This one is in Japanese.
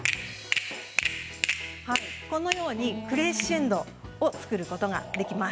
このようにクレッシェンドを作ることができます。